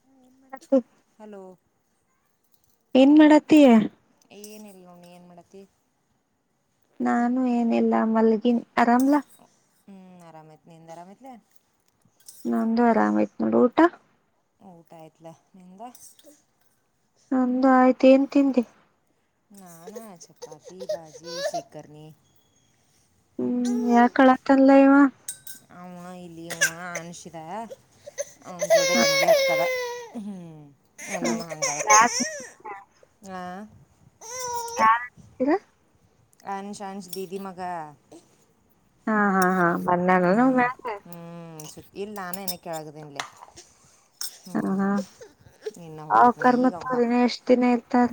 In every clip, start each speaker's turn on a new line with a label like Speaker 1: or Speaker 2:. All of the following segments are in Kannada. Speaker 1: ಹ ಏನ್ ಮಾಡತಿ
Speaker 2: ಹಲೋ
Speaker 1: ಏನ್ ಮಾಡತ್ತಯ
Speaker 2: ಇವ್ ಏನ್ ಮಾಡತಿ
Speaker 1: ನಾನು ಏನಿಲ್ಲ ಮಲ್ಗಿನ್ ಅರಾಮ್ಲಾ
Speaker 2: ಹ್ಮ್ ಆರಾಮ ತ್ ನಿಿಂದ ಆರಾಮತ್ಲ
Speaker 1: ನಂದು ಆರಾಮಾಯತ್ ನೋಡ ಊಟ
Speaker 2: ಊಟ ಆಯ್ತ್ಲ ನಿಂದ
Speaker 1: ನಮ್ದು ಆಯ್ತು ಏನ್ ತಿಿಂದೆ
Speaker 2: ನಾ ನಾ ಚಪ್ಪಾತಿ ಬಾಜ ಶಿಕರ್ ನೀ
Speaker 1: ಹ್ಮ್ ಯಾಕಳತ್ತಲ್ಲ ಇವ
Speaker 2: ಅವನ ಇಲ್ಲಿ ಅಮ್ಮ ಅನಿಸಿದ ಅವನ
Speaker 1: ಹ
Speaker 2: ಬಂದ ಇರ್ತದ ಹ್ಮ್
Speaker 1: ಹಾ
Speaker 2: [unintelligible] ಹ ಹ್ಮ್
Speaker 1: ಯಾರ [unintelligible]
Speaker 2: ಆಂಶ್ ಆಂಶ್ ದೀದಿ ಮಗ
Speaker 1: ಹಾ ಹಾ ಹಾ ಬಣ್ಣನಲ್ಲ ಹೆಂಗೆ
Speaker 2: ಇಲ್ಲಾ ನಾನ್ ಇನಕ್ಕೆಳಗದನಿಲ್ಲ
Speaker 1: ಹಾ ಹಾ
Speaker 2: ಹೋಗಿ ನಾ
Speaker 1: ಅವ್ಕರ್
Speaker 2: ಈಗ
Speaker 1: ಮತ್ ಅವ ದಿನ ಎಷ್ಟ ದಿನ ಇರ್ತಾರ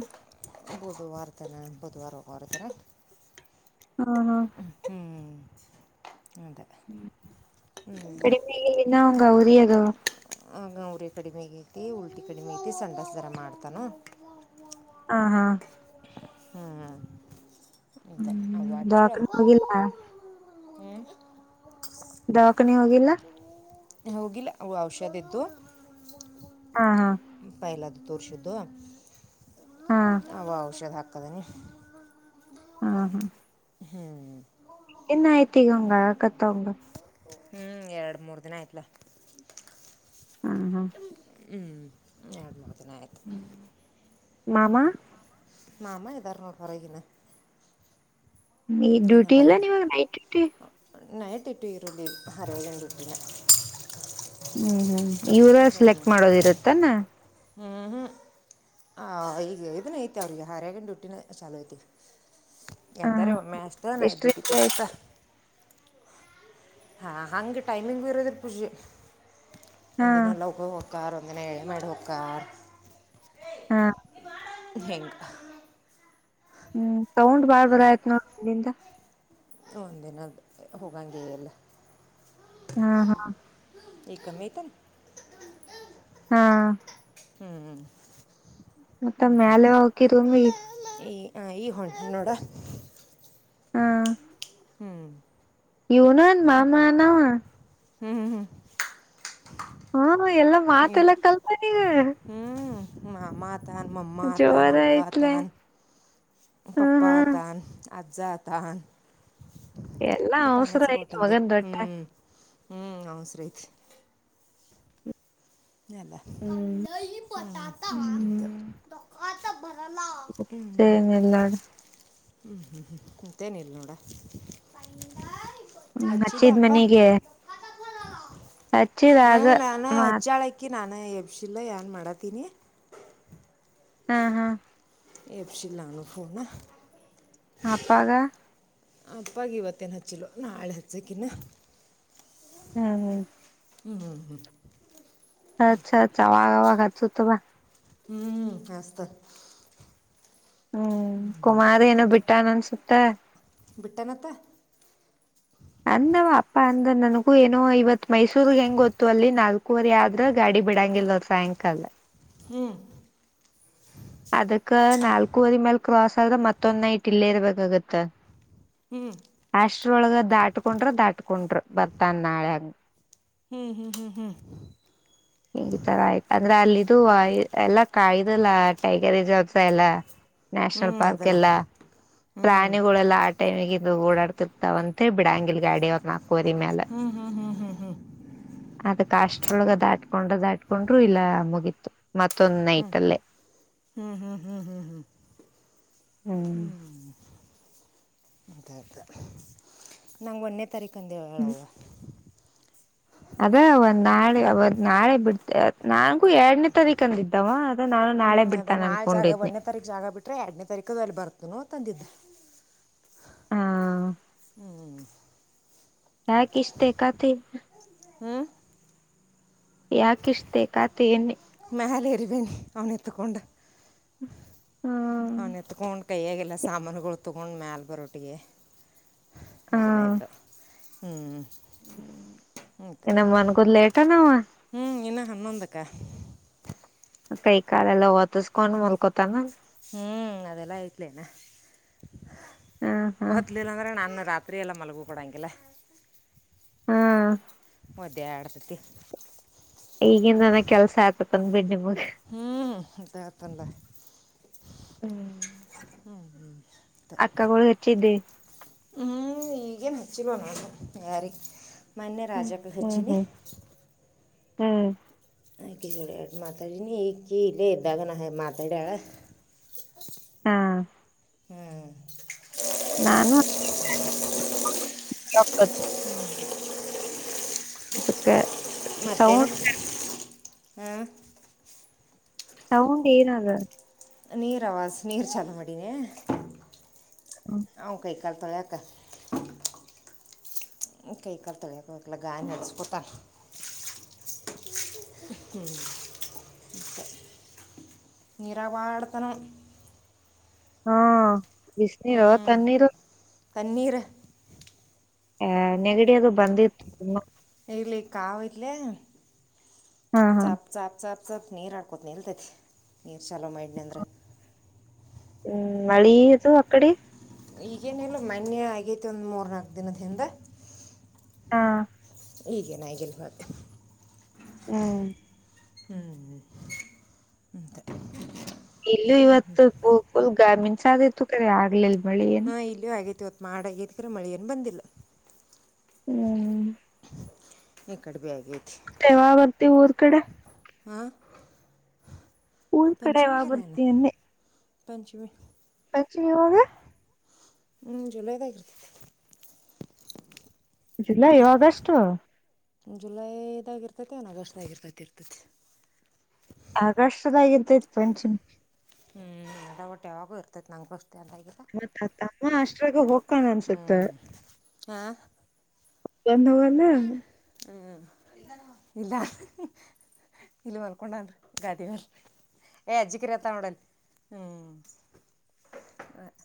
Speaker 2: ಮತ್ತಲ್ಲ ಬುಧವಾರ ಹೊರತರ
Speaker 1: ಹ ಹಾ
Speaker 2: ಹ್ಮ್ ಹ್ಮ
Speaker 1: ಹ್ಮ್ ಕಡಿಮೆಯಾಗಿಲ್ಲ ಇನ್ನೂ ಹಂಗ ಉಡಿಯೋದು
Speaker 2: ಅವರಿ ಕಡಿಮೆ ಐತಿ ಉಲ್ಟಿ ಕಡಿಮೆ ಐತಿ ಸಂಡಸ ರ ಮಾಡ್ತಾನೋ
Speaker 1: ಹಾ ಹಾ
Speaker 2: ಹ್ಮ್ ಹ್ಮ್ ಇಂತ
Speaker 1: ಹ್ಮ್
Speaker 2: ಅವಟರು
Speaker 1: ದವಾಖಾನೆ ಹೋಗಿಲ್ಲ
Speaker 2: ಹ್ಮ್
Speaker 1: ದವಾಖನೆಿ ಹೋಗಿಲ್ಲ
Speaker 2: ಓ ಔಷಧ ಇಿದ್ದು
Speaker 1: ಹಾ ಹಾ
Speaker 2: ತೋರಿಸಿದ್ದು
Speaker 1: ಹಾ
Speaker 2: ಅವ ಔಷಧ ಹ ಕದನಿ
Speaker 1: ಹಾ ಹಾ
Speaker 2: ಹ್ಮ್
Speaker 1: ಇನ್ನ ಆಯ್ತ ಈಗ ಹಂಗ ಆಕತ್ತ ಅವಂಗ
Speaker 2: ಹ್ಮ್ ಎರಡು ಮೂರು ದಿನ ಆಯ್ತ್ಲ
Speaker 1: ಹ್ಮ ಹ್ಮ
Speaker 2: ಹ್ಮಞ ಯ ಆಯಿತು
Speaker 1: ಮಾಾಮಾ
Speaker 2: ಮಾಾಮ ಇದ್ದಾರ ನೋಡು ಹೊರಗಿನ್ನ
Speaker 1: ನೀ ಡ್ಯೂಟಿ ಇಲ್ಲ ನೀವಾಗ ನೈಟ್ ಡ್ಯೂಟಿ
Speaker 2: ನೈಟ್ ಇಟ್ಟು ಇರುಳ್ಳ ಹರವದನ್ ದುಡ್ಡಿನ
Speaker 1: ಇವರು ಸೆಲೆಕ್ಟ್ ಮಾಡೋದ ಇರುತ್ತನಾ
Speaker 2: ಹ್ಞ ಹ್ಞೂ ಹ ಈಗ ಇದನ್ನ ಐತೆ ಅವ್ರಿಗೆ ಹರ್ಯಗ ಡ್ಯೂಟಿನ ಚಲ ಐತಿವಿ
Speaker 1: ಹ
Speaker 2: ಎಂದಾರ ಒಮ್ಮೆ ಅಷ್ಟ ನೈಟ್ ಡ್ಯೂಟಿ
Speaker 1: ಎಷ್ಟರಿಂದ ಎಷ್ಟು
Speaker 2: ಹಾ ಹಂಗಗೆ ಟೈಮಿಂಗ್ ಇರದ್ರ ಪೂಜೆ
Speaker 1: ಹಾ
Speaker 2: ಒಂದಿನಲ್ಲ [unintelligible] [unintelligible] [unintelligible]
Speaker 1: ಹಾ
Speaker 2: ಹೆೇಂಗ
Speaker 1: ಹ್ಮ್ ತಗೊಂಡ್ ಬಾಳ್ ಬರ ಆಯ್ತ ನ ಇಲ್ಲಿಂದ
Speaker 2: ಹ ಒಂದುದಿನ ಹೋಗಂಗೆ ಎ ಎಲ್ಲ
Speaker 1: ಹಾ ಹಾ
Speaker 2: ಈಗ ಕಮ್ಮಿಥಲ್ಲ
Speaker 1: ಹಾ
Speaker 2: ಹ್ಮಞ ಹ್ಮ
Speaker 1: ಮತ್ತ ಮ್ಯಾಲ ಓಕಿ ರೂಮಿಗಿ
Speaker 2: ಹ ಈಗ ಹೊಂಟ ನೋಡ
Speaker 1: ಹ್ಮ
Speaker 2: ಹ್ಮ್
Speaker 1: ಇವನನ್ ಮಾಮ ನವ
Speaker 2: ಹ್ಮ್್ಮ ಹ್ಮ್
Speaker 1: ಹ್ಮ ಹ ಎಲ್ಲಾ ಮಾತ್ ಎಲ್ಲ ಕಲ್ಪ ನೀ
Speaker 2: ಹ ಮಮತಾ ತನ್ ಮಮ್ಮಾ ಆತಾನ ಅವ್ವ
Speaker 1: ಐತ್ಲೆ
Speaker 2: ಆತಾನ
Speaker 1: ಹ್ಮ್
Speaker 2: ಪಪ್ಪಾ
Speaker 1: ಹ್ಮ್
Speaker 2: ತಾನ್ ಅಜ್ಜ ಆತಾನ್
Speaker 1: ಎಲ್ಲಾ ಅವಸರ ಆಯ ಮಗನ್ ತೊಟ್ಟೆ [unintelligible]
Speaker 2: ಅವಸರ ಆಯ್ತ್ ಬರಲ್ಲ [unintelligible]
Speaker 1: ಹ್ಮ್ ಹ್ಮ್
Speaker 2: [unintelligible]
Speaker 1: ಸೇಮ್ ಇಲ್ ನೋಡ್
Speaker 2: ಹ್ಞೂ ಹ್ಞೂ ಹ್ಞೂ ಕುಂತೇನ ಇಿಲ್ಲ ನೋಡ [unintelligible]
Speaker 1: ಹ್ಮ
Speaker 2: ಹಚ್ಚಿದ
Speaker 1: ಹಚ್ಚಿದ್
Speaker 2: ಅಪ್ಪ
Speaker 1: ಮನಗೆ ಹಚ್ಚಿದ್ ಆಗ ಮಾತ್
Speaker 2: ನಾನ ಯಬ್ಶಿಲ್ಲ ಏನ್ ಮಾಡತೀನಿ
Speaker 1: ಹಾ ಹಾ
Speaker 2: ಎಫ್ಸಿಿಲನು ಪೋನಾ [unintelligible]
Speaker 1: ಅಪ್ಪಾಗ
Speaker 2: ಅಪ್ಪಾಗ ಇವತ್ತೇನು ಹಚ್ಚಿಲ್ಲ ನಾಳೆ ಹಚ್ಚೋಕಿನ್ನ
Speaker 1: ಹ್ಮ್ ಹ್ಮ್
Speaker 2: ಹ್ಮ್ ಹ್ಮ್ ಹ್ಮ್
Speaker 1: ಹಚ್ ಹಚ್ ಅವಾಗ ಹಚ್ [unintelligible]
Speaker 2: ಹ್ಮ್. [unintelligible]
Speaker 1: ಹ್ಮ್ ಕುಮಾರ ಏನೋ ಬಿಟ್ಟಾನ ಅನಸ್ತ. ಹಾ [unintelligible]
Speaker 2: ಬಿಟ್ಟನತ್ತ
Speaker 1: ಅಂದವ ಅಪ್ಪ ಅಂದ ನನಗೂ ಏನೋ ಇವತ್ತು ಮೈಸೂರ್ ಹೆಂಗ್ ಗೊತ್ತು ಅಲ್ಲಿ ನಾಲ್ಕು ಕೂರಿ ಆದ್ರ ಗಾಡಿ ಬಿಡಂಗಿಲ್ಲ ಅವರು ಸಾಯಂಕಾಲ
Speaker 2: ಹ್ಮ
Speaker 1: ಅದಕ್ಕ ನಾಲ್ಕೂವರಿ ಮೇಲ್ ಕ್ರಾಸ್ ಆದ್ರೆ ಮತ್ತೊಂದ್ ನೈಟ್ ಇಲ್ಲೇ ಇರರ್ಬೇಕಾಗತ್ತ
Speaker 2: ಹ್ಞೂ
Speaker 1: ಅಷ್ಟ್ರೊಳಗ ದಾಟ್ಕೊಂಡ್ರ ದಾಟ್ಕೊಂಡ್ರ ಬರ್ತನ್ ನಾಳೆಂಗ
Speaker 2: ಹ್ಮ್ ಹ್ಮ್ ಹ್ಮ್ ಹ್ಮ್
Speaker 1: ಈ ತರ ಆಯ್ತ ಲ್ಲ ಟೈಗರ್ ಎಲ್ಲ
Speaker 2: ಹ್ಞೂ
Speaker 1: ನ್ಯಾಷನಲ್ ಪಾರ್ಕ್
Speaker 2: ಅದಲ್ಲ
Speaker 1: ಎಲ್ಲ
Speaker 2: ಹ್ಞೂ
Speaker 1: ಪ್ರಾಣಿಗುಳೇಲ್ಲಾ ಆ ಟೈಮಗ ಅದು ಓಡಾಡ್ತಿ [unintelligible] ದಂತೆ ಬಿಡಂಗಲ್ ಗಾಡಿ ಅವ ನಾಲ್ಕುವರಿ ಮೇಲೆ ಅದಕ್ಕೆಷ್ಟ್ರೊಳಗ ದಾಟ್ ಹೊಂಡ ದಾಡ್ಕೊಂಡ್ರು ಇಲ್ಲ ಅ ಮುಗಿತ್ತು
Speaker 2: ಹ್ಮ ಹ್ಮ್ ಹ್ಮ್ ಹ್ಮ್ ಹ್ಮ್ ಹ್ಮ್ ಹ್ಮ್ ಅ ನ ಒೆ [unintelligible] ತರಕಂದ
Speaker 1: ಹ್ಮ್
Speaker 2: ಹೇಳವ್ವ [unintelligible] [unintelligible]
Speaker 1: ಅದ ಒಂದ್ ನಾಳೆ ಅವ್ ನಾಳೆ ಬಿಡ್ ನಂಗು ಎರಡನೇ ತಾರೀಕಂದ ಇದ್ದಾವ
Speaker 2: ಹ್ಮ್ ಅದ ನಾಲ್ ಜಾಗ ಒಂದನೇ ತಾರೀಕ್ ಜಾಗ ಬಿಟ್ರೆ ಎರಡನೇ ತಾರೀಕು ಅಲ್ಲಿ ಬರ್ತನಾ ತಂದಿದ್ದರು
Speaker 1: ಹಾ
Speaker 2: ಹ್ಮ್
Speaker 1: ಯಾಕ್ ಇಷ್ಟೇ ಕತೆ
Speaker 2: ಹು
Speaker 1: ಯಾಕ ಇಷ್ಟೆ ಖಾತೆ ಎಣ್ಣೆ
Speaker 2: ಮಲೆೇರಿವೇನ್ ಅವನೆ ತೊಂಗಡ್ಡ
Speaker 1: ಹ್ಮ
Speaker 2: ಅವ್ನ ಎತ್ಕೊಂಡು ಕೈಯಾಗೆಲ್ಲ ಸಾಮಾನುಗಳು ತೊಗೊಂಡ ಮ್ಯಾಲ ಬರೋಟ್ಟಿಗೆ ಇದನೇಕ
Speaker 1: ಹ್ಮ
Speaker 2: ಹ್ಮ್
Speaker 1: ನಮ್ಮ ಮನ್ಗದ್ ಲೇಟನವ
Speaker 2: ಹ್ಮ್ ಇನ್ನ ಹನ್ನೊಂದಕ್ಕ
Speaker 1: ಕೈ ಕಾಲೆಲ್ಲ ಒಓತಿಸಕೊಂಡ್ ಮುಲ್ಕೊತಾನ
Speaker 2: ಹ್ಮ್ ಅದೆಲ್ಲಾ ಐತ್ಲೇನ
Speaker 1: ಹ್ಮ್ ಹ್ಮ್
Speaker 2: ಎತ್ತೀಲ್ಲ ಅಂದ್ರೆ ನಾನ ರಾತ್ರಿ ಎಲ್ಲ ಮಲಗೂ ಕೊಡಂಗಿಲ್ಲ
Speaker 1: ಹ್ಮ್
Speaker 2: ಮದ ಆಡ್ [unintelligible] ಮತ್ತು [unintelligible]
Speaker 1: ಈಗನ್ ನನಗ್ ಕೆಲ್ಸ ಆಯತತಂದ ಬಿ್ಣೆ ಮೂರಿ
Speaker 2: ಹ್ಮ್ ಅಂತ ಅತಲ್ಲ
Speaker 1: ಹ್ಮ್ ಅಕ್ಕ ಕಳ ಹಚ್ಚಿದ್ದೆ
Speaker 2: ಇಗ ನಚ್ಚಿಲ್ಲೋಣ ಅ ಯಾರಿ ಮಾನ್ಯ
Speaker 1: ಹ್ಮ್
Speaker 2: ರಾಜಕ್ಕೆ
Speaker 1: ಹ್ಮ್
Speaker 2: ಹೆಚ್ಚಿನಿ
Speaker 1: ಹ್ಮ್
Speaker 2: ಕ ಮಾತ ನೀ ಕೀಲ್ಲೇ್ದಾಗನ ಮಾತೆವಡ
Speaker 1: ಹಾ
Speaker 2: ಹ್ಮ್
Speaker 1: ನಾನು ಅದಕ್ಕೆ
Speaker 2: ಮತ್ತೇಣ ಹ
Speaker 1: ಸೌಂಡ್ ಏನ ಅಾದ
Speaker 2: ನೀರ ಅವಾಜ ನೀರ ಚಾಲುವ ಮಾಡಿ ನ ಹ ಕೈ ಕಲ್ ತೊಳಕ್ಕೆ ಕೈ ಕಲ್ ತೊಳಿಯಕಲ್ಲ ಗಾಯ ನಡೆಸ್ಕೊತಾನೆ ಹ ಮತ್ತ ನೀರಾವಾಡ್ತಾನೆ
Speaker 1: ಹಾ ಬಿಸಿನೀರು ತಣ್ಣೀರು
Speaker 2: ಪನ್ನೀರು
Speaker 1: ಆ ನೆಗಡಿ ಅದು ಬಂದಿತ್ತು ತುಂಬಾ.
Speaker 2: ಇಲ್ಲಿಕ್ಕಾವ ಇಲೆ.
Speaker 1: ಹ್ಮ್
Speaker 2: ಚ ಚ. ಸ್ವಲ್ಪ ನೀರು ಹಾಡ್ಕೋತ ನಿಲ್ತೈತಿ ನೀರು ಚಲೋ ಮಾಡೈಡ್ನ ಅಂದ್ರೆ.
Speaker 1: ಹ್ಮ್ ಮಾಡಿತ ಅಕಡೆ.
Speaker 2: ಈಗೇನಲ್ಲು ಮೊನ್ನೆ ಆಗೈತಿ ಒಂದ್ ಮೂರ್ನಾಾಕ ದಿನದಿಂದ.
Speaker 1: ಹಾ.
Speaker 2: ಈಗೆ ನಾಯಗೆಲ್ ಹ.
Speaker 1: ಹ್ಮ [inaudible]
Speaker 2: ಹ್ಮ್ ಹಂತ.
Speaker 1: ಇಲ್ಲೂ ಇವತ್ತು ಪೂಕಲ್ ಗಾಮಿನ್. ಸಾ ಇತ್ತು ಕರೆ ಆಗ್ಲಿಲ್ಲ.
Speaker 2: ಹಾ ಇಲ್ಲಿಯೂ ಆಗೇತಿ. ಮಾಡಾಗದಕರೆ ಮಳೆಯನು ಬಂದಿಲ್ಲ.
Speaker 1: ಹ್ಮ್.
Speaker 2: ಎಏ ಕಡಪಗ.
Speaker 1: ೆವಾ ಬರ್ತಿ ಊರ್. ಅ ಕಡೆ.
Speaker 2: ಹ.
Speaker 1: ಊರ ಕಡೆ ಯಾವಾಗ ಬರ್ತಿ ಅಂದೆ.
Speaker 2: ಪಂಚಮೀ.
Speaker 1: ಪಂಚಮಿ ಯಾವಾಗ.
Speaker 2: ಹ್ಮ ಜುಲೈದಾಗ ಇರತೈತಿ.
Speaker 1: ಜುಲೈಯೋ ಅಗಸ್ಟೊ.
Speaker 2: ಜುಲೈದಾಗ ಇರ್ತೈತಿ ಏನ ಆಗಸ್ಟ್ ದಾಗ ಇರ್ತೈತಿ ಇರತೈತಿ.
Speaker 1: ಅಗಸ್ಟ್ ದಾಗ ಇರ. ತೈತಿ ಪಂಚಮಿ.
Speaker 2: ಟ ಯವಾಗೋ ಇರತೈತಿ ನಂಗೂ ಅಸ್ಟ್.
Speaker 1: ಮತ್ತ ತಮ್ಮ ಅಷ್ಟ್ರಾಗ ಹೊಕ್ಕನ ಅನ್ಸತ.
Speaker 2: ಆ.
Speaker 1: ಎಂದ ಹೋಗಲ್ಲ.
Speaker 2: ಹ್ಮ್ ಇಲ್ಲದಾನ ಇಲ್ಲಿ ಮಲ್ಕೊಂಡನ್ರಿ ಗಾದಿ ಮ್ಯಾಲ ಏ ಅಜ್ಜಿ ಕರಿಯಾತಾಳ ನೋಡ್ ಅಲ್ಲಿ ಹ್ಮ್.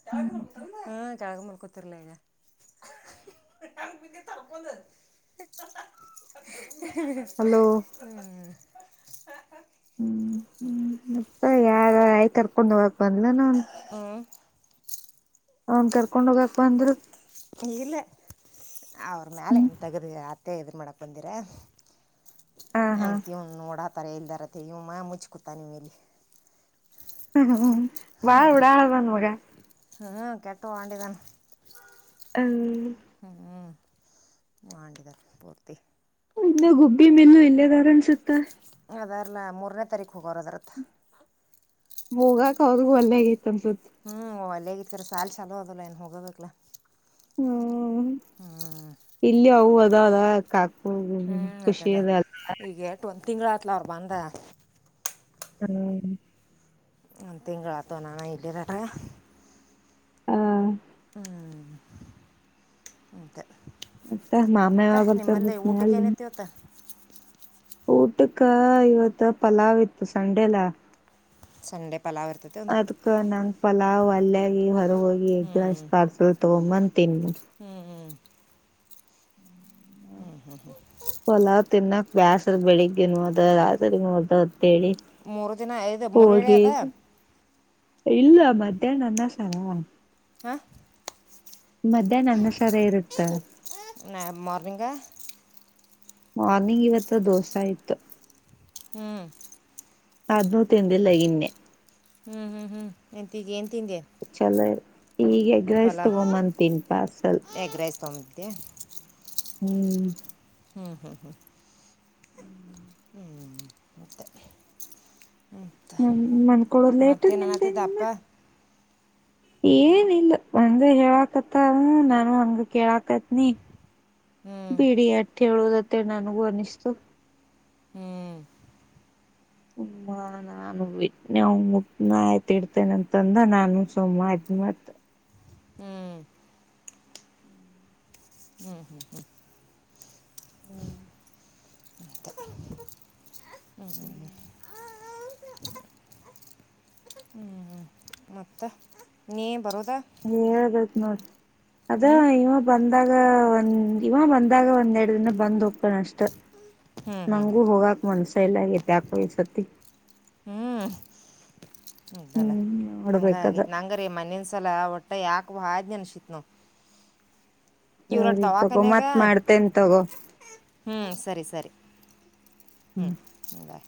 Speaker 2: ತೆಳಗ
Speaker 1: ಹ್ಮ್
Speaker 2: ಮಲ್ಕೋತನ ಹ್ಮ್ ಕೆಳಗ ಮಲ್ಕೋ. [unintelligible] ಈಗ [unintelligible] ಹೆಂಗ ಬಿದ್ದಿ ತಡಕೊಂಡ. [unintelligible]
Speaker 1: ಹಲೋ
Speaker 2: ಹ್ಮ್. [unintelligible]
Speaker 1: ಹ್ಮ್ ಹ್ಮ್ ಮತ್ತ ಯಾರ ಆಯಿ ಕರ್ಕೊಂಡ ಹೋಗ. ಬಂದಲನ ಅವನ.
Speaker 2: ಹ್ಞೂ
Speaker 1: ಅವನ ಕರ್ಕೊಂಡ ಹೋಗಕ ಬಂದ್ರು.
Speaker 2: ಏ ಇಲ್ಲ. ಅವ್ರ ಮ್ಯಾಲ
Speaker 1: ಹ್ಮ್
Speaker 2: ಏನ ತಗದ ಇಡತ. [unintelligible] ಮಾಡಕ ಬಂದಿರ.
Speaker 1: ಹ ಹಾ
Speaker 2: ಅಂತ್ಯ ಇವನ ನೋಡಾತರ ಎಲ್ಲಿದಾರ. ಅತ್ತ ಇವ ಮುಚ್ಚಿ ಕುತ್ತನ ಇವ ಇಲ್ಲಿ.
Speaker 1: ಹ್ಮ ಹ್ಮ. ಬಾಳ ಉಡಳ ಅದನ ಮಗ.
Speaker 2: ಹಾಂ ಕೆಟ್ಟ ವಾಂಡ ಇದನ.
Speaker 1: ಹ
Speaker 2: ಹ್ಮ್ ಹ್ಮ್. ವಾಂಡ ಇದನ ಪೂರ್ತಿ.
Speaker 1: ಇನ್ನ ಗುಬ್ಬಿ ಮಿಲ್ಲು ಇಲ್ಲೆದಾರ ಅನ್ಸತ್ತ.
Speaker 2: ಇಲ್ಲೇ ಅದರಲ್ಲ ಮೂರನೇ ತಾರೀಕ ಹೋಗೋರ ಅದರತ್ತ.
Speaker 1: ಹೋಗಾಕ ಅವ್ರಗು ವಲ್ಯಗೇತಿ ಅನ್ಸತ್ತ.
Speaker 2: ಹ್ಮ್ ವಲ್ಯಗೆತಿ ಕರೆ ಸಾಲಿ ಚಾಲೋ ಆದುಲಾ ಇನ್ನ ಹೋಗಬೇಕಲ.
Speaker 1: ಹ್ಮ್. ಹ್ಮ ಇಲ್ಲಿ ಅವ್ವ. ಅದಾಳ ಕಾಕು.
Speaker 2: ಹ್ಮ್
Speaker 1: ಖುಷಿ
Speaker 2: ಅದಲಾ
Speaker 1: ಅದ
Speaker 2: ಈಗ ಎಟ್ಟ. ಒಂದ ತಿಂಗಳ ಆತ್ಲ ಅವ್ರ ಬಂದ.
Speaker 1: ಹ್ಮ.
Speaker 2: ಒಂದ ತಿಂಗಳ ಆತು ಅನನಾ ಇಲ್ಲೆದಾರ.
Speaker 1: ಹಾ.
Speaker 2: ಹ್ಮ್ ಅದ.
Speaker 1: ಮತ್ತ ಮಾಮ ಯಾವಾಗ ಬರ್ತಾರ ಮತ್ತ
Speaker 2: ಊಟಕ್ಕೆ
Speaker 1: ನಾಳಿಗಿ.
Speaker 2: ಏನೈತಿ ಇವತ್ತು
Speaker 1: ಊಟಕ್ಕ ಇವತ್ತ ಪಲಾವ್ ಇತ್ತು ಸಂಡೆಲ್ಲಾ.
Speaker 2: ಸಂಡೆ ಪ.
Speaker 1: ಅದ್ಕ ನಂಗ ಪಲಾವ ವಲ್ಲ್ಯಾಗಿ ಹೊರ ಹೋಗಿ ಎಗ್ ರೈಸ್ ಪಾರ್ಸಲ್ ತಗೊಂದ ಬಂದ.
Speaker 2: ಹ್ಮ್ ಹ್ಮ್. ಹ್ಮ.
Speaker 1: ಹೊಲಾವ್ ತಿನ್ನಾಕ್ ಬ್ಯಾಸದ ಬೆಳಿಗ್ಗೆ ನ ಅದ ರತ್ರಿನೂ ಅದ. ಅಂತೇಳಿ
Speaker 2: ಮೂರು ದಿನ ಐದು ಮೂರುಗಡೆ
Speaker 1: ಹೋಗಿ
Speaker 2: ಅದ.
Speaker 1: ಇಲ್ಲ ಮಧ್ಯಾಹ್ನ ಅನ್ನ ಸರರವ್ವ.
Speaker 2: ಹಾಂ.
Speaker 1: ಮಧ್ಯಾಹ್ನ ಅನ್ನ ಸಾರು ಇರುತ್ತ.
Speaker 2: ನ ಮಾರ್ನಿಂಗ.
Speaker 1: ಮಾರ್ನಿಂಗ್ ಇವತ್ತ ದೋಸೆ ಇತ್ತು.
Speaker 2: ಹ್ಮ್.
Speaker 1: ಅದ್ನು ತಿಂದಿಲ್ಲ ಇನ್ನೇ.
Speaker 2: ಹ್ಮ್ ಹ್ಮ್ ಹ್ಮ್ ಎಂತಿಗೆ.
Speaker 1: ಹ ಚಲ್ಲ. ಈಗ್ ಎಗ್ರೈಸ್
Speaker 2: ಪಲಾವ್
Speaker 1: ತಗೊಂದ್ ಬರ್ತೀನಿ ಪಾರ್ಸಲ್.
Speaker 2: ಎಗ್ ರೈಸ್ ತೊಗೊಂಬಿದ್ದೆ [inaudible]
Speaker 1: ಹ್ಮ್.
Speaker 2: ಹ್ಮ್ ಹ್ಮ್ ಹ್ಮ್.
Speaker 1: [inaudible]
Speaker 2: ಹ್ಮ್ ಮತ್ತೆ. ಅಂತ
Speaker 1: ಹ್ಮ್ ಮನ್ಕಳೋದ್ ಲೇಟು
Speaker 2: ಮತ್ತೇನು
Speaker 1: ನಿಮ್ದೆ
Speaker 2: ಅನ್ನತ್ತಿದ್ದ ಅಪ್ಪ
Speaker 1: ನಿನ್ನು? ಏನಿಲ್ಲ ಒಂದೇ ಹೇಳಾಕತ್ತಾಳು ನಾನು ಹಂಗ ಕೇಳಾಕತ್ನಿ.
Speaker 2: ಹ್ಞೂ
Speaker 1: ಬಿಡಿ ಆಟ್ ಹೇಳೇದತ್ತೆ ನನಗೂ ಅನ್ನಿಸ್ತು.
Speaker 2: ಹ್ಮ್
Speaker 1: ಹು ನಾನುನೆ ನಾವ್ ಮುಟ್ಟನ ಆಯ್ತ ಇಡ್ತೇನೆ ಅಂತಂದ ನಾನು ಸುಮ್ ಅದ್ನೇ ಮತ್ತೆ
Speaker 2: ಹ್ಮ್. ಹ್ಮ್ ಹ್ಮ್ ಹ್ಮ್ [unintelligible] [inaudible] [unintelligible] ಹ್ಮ್ ಹ್ಮ ಮತ್ತ ನೀ ಬರೋ
Speaker 1: ನಿ ಹೇಳ್ಬೇಕ್ ನೋಡ್. ಅದ
Speaker 2: ಹ್ಞೂ
Speaker 1: ಇನ್ನು ಬಂದ್ ಬಂದಾಗ ಒಂದ್ ಇವ ಬಂದಾಗ ಒಂದ್ೆರಡು ದಿನ ಬಂದ್ ಹೋಗ್ತಾನ ಅಷ್ಟ.
Speaker 2: ಹ್ಞೂ ಹ್ಞೂ ಹ್ಞೂ
Speaker 1: ನಂಗೂ ಹೋಗಾಕ್ ಮನಸೇ ಎಲ್ಲ ಆಗತಿ. ಯಾಕೋ ಇ ಸತಿ.
Speaker 2: ಹ್ಮ್.
Speaker 1: ಹ್ಮ್ ನೋಡ್ಬೇಕದ
Speaker 2: ಹಂಗಾಗಿತ್ತು ನಂಗಗೆ ರೀ ಮನಿನ ಸಲ ಹೊಟ್ಟೆ ಯಾಕ್ ಬಾಜು ಅನ್ಸಿತ್ತು ನೋಡು
Speaker 1: ಸರಿ ತಗೋ ಮತ್ ಮಾಡ್ತೆೇನ್ ತಗೋ.
Speaker 2: ಹ್ಮ್ ಸರಿ ಸರಿ. ಹ್ಮ್ ಬಾಯ್.